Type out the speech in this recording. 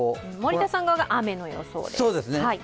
森田さん側が雨の予想です。